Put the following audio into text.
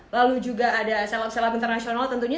lalu juga ada seleb seleb internasional tentunya